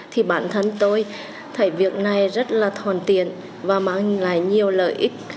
thì bản thân tôi thấy việc này rất là thòn tiện và mang lại nhiều lợi ích